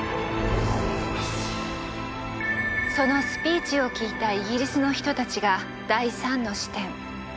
そのスピーチを聴いたイギリスの人たちが第３の視点。